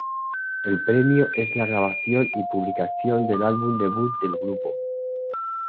El premio es la grabación y publicación del álbum debut del grupo.